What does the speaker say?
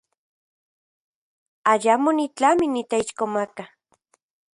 Ayamo nitlami niteixkomaka.